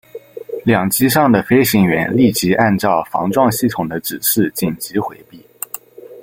两机上的飞行员立即按照防撞系统的指示紧急回避。